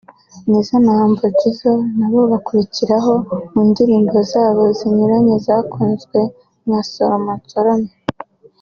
Nizzo na Humble Jizzo nabo bakurikiraho mu ndirimbo zabo zinyuranye zakunzwe nka Soroma Nsorome